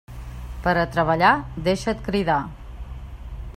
Per a treballar, deixa't cridar.